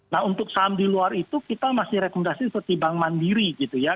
nah untuk saham di luar itu kita masih rekomendasi seperti bank mandiri gitu ya